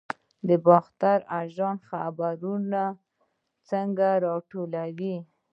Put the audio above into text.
باختر اژانس خبرونه څنګه راټولوي؟